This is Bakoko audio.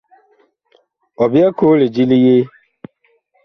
Ɔ byɛɛ koo lidi li yee ?